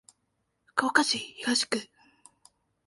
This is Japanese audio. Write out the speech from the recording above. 福岡市東区